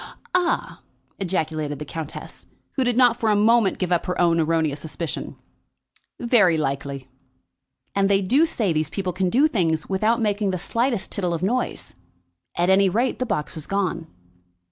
"Ah!" ejaculated the countess, who did not for a moment give up her own erroneous suspicion; "very likely." "And they do say these people can do things without making the slightest tittle of noise. At any rate, the box was gone."